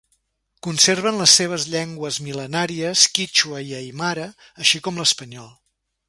Conserven les seves llengües mil·lenàries quítxua i aimara, així com espanyol.